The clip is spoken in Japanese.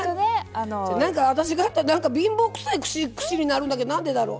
なんか私がやったら貧乏くさい串になるんだけどなんでだろう？